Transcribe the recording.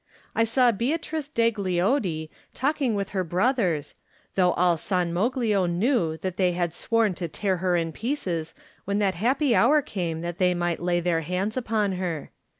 I saw Beatrice degli Oddi talking with her broth ers, though all San Moglio knew that they had sworn to tear her in pieces when that happy hour came that th^r might lay their hands upon her.